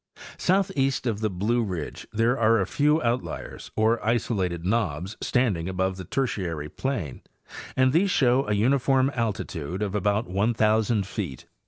Southeast of the Blue ridge there are a few outliers or isolated knobs standing above the Tertiary plain, and these show a uniform altitude of about 1,000 feet.